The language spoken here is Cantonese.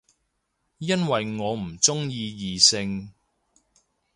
因為我唔鍾意異性